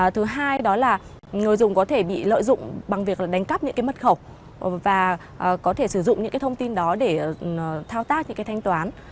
thứ hai đó là người dùng có thể bị lợi dụng bằng việc là đánh cắp những cái mật khẩu và có thể sử dụng những cái thông tin đó để thao tác những cái thanh toán